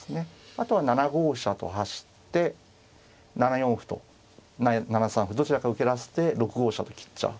あとは７五飛車と走って７四歩と７三歩どちらかを受けらせて６五飛車と切っちゃう。